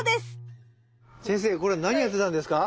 これ何やってたんですか？